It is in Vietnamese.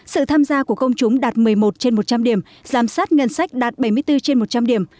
sự tham gia của công chúng đạt một mươi một trên một trăm linh điểm giám sát ngân sách đạt bảy mươi bốn trên một trăm linh điểm